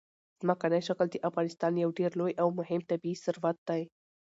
ځمکنی شکل د افغانستان یو ډېر لوی او مهم طبعي ثروت دی.